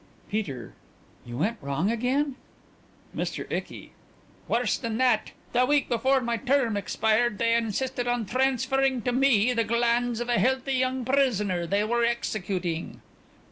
PETER: You went wrong again? MR. ICKY: Worse than that. The week before my term expired they insisted on transferring to me the glands of a healthy young prisoner they were executing.